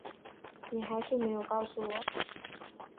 你还是没有告诉我